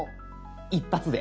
一発で。